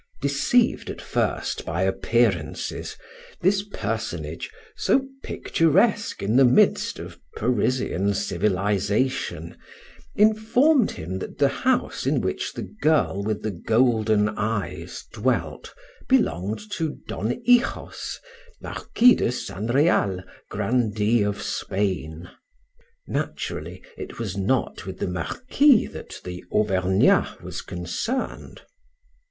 Deceived at first by appearances, this personage, so picturesque in the midst of Parisian civilization, informed him that the house in which the girl with the golden eyes dwelt belonged to Don Hijos, Marquis de San Real, grandee of Spain. Naturally, it was not with the Marquis that the Auvergnat was concerned.